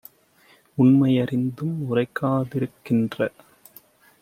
உண்மை யறிந்தும் உரைக்கா திருக்கின்ற